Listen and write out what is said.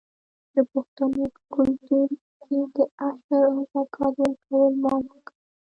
د پښتنو په کلتور کې د عشر او زکات ورکول مال پاکوي.